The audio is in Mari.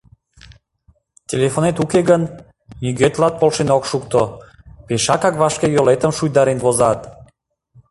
Телефонет уке гын, нигӧ тылат полшен ок шукто — пешакак вашке йолетым шуйдарен возат.